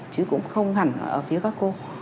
chứ cũng không hẳn ở phía các cô